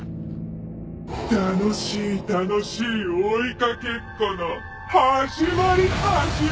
楽しい楽しい追いかけっこの始まり始まり！